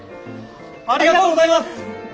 ありがとうございます！